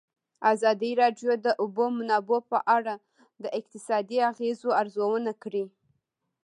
ازادي راډیو د د اوبو منابع په اړه د اقتصادي اغېزو ارزونه کړې.